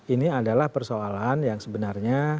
ini adalah persoalan yang sebenarnya